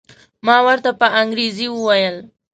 ما ورته په انګریزي وویل.